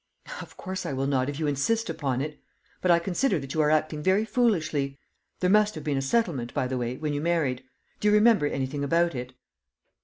"Of course I will not, if you insist upon it. But I consider that you are acting very foolishly. There must have been a settlement, by the way, when you married. Do you remember anything about it?"